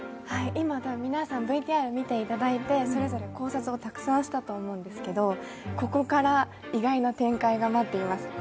今、皆さんＶＴＲを見ていただて、それぞれ考察をたくさんしたと思うんですけれども、ここから意外な展開が待っています。